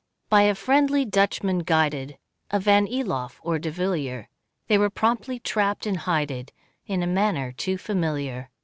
By a friendly Dutchman guided, A Van Eloff or De Vilier, They were promptly trapped and hided, In a manner too familiar.